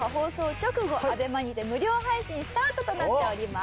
ＡＢＥＭＡにて無料配信スタートとなっております。